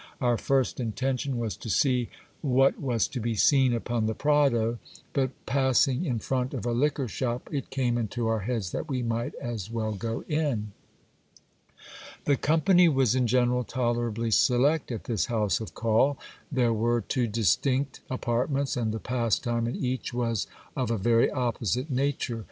Our first intention was to see what was to be seen upon the Prado; but passing in front of a liquor shop, it came into our heads that we might as well go in. The company was in general tolerably select at this house of call. There were two distinct apartments ; and the pastime in each was of a very opposite nature.